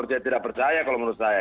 percaya tidak percaya kalau menurut saya